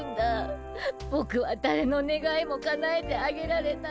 ぼくはだれのねがいもかなえてあげられない